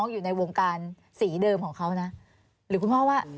อยู่ในวงการสีเดิมของเขานะหรือคุณพ่อว่า